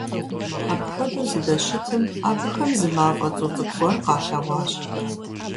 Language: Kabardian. Апхуэдэу зыдэщытым, абыхэм зы мафӀэ цӀу цӀыкӀу гуэр къалъэгъуащ.